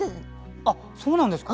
あっそうなんですか？